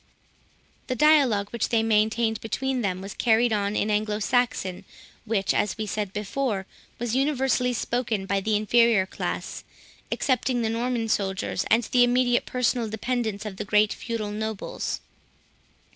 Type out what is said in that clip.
The dialogue which they maintained between them, was carried on in Anglo Saxon, which, as we said before, was universally spoken by the inferior classes, excepting the Norman soldiers, and the immediate personal dependants of the great feudal nobles.